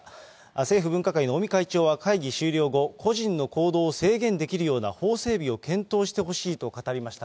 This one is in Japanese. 政府分科会の尾身会長は会議終了後、個人の行動を制限できるような法整備を検討してほしいと語りました。